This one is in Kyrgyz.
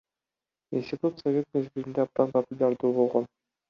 Институт совет мезгилинде абдан популярдуу болгон.